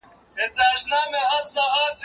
زه مخکي سپينکۍ مينځلي وو